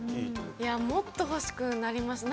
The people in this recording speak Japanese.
もっと欲しくなりました。